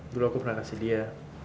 dulu aku pernah kasih dia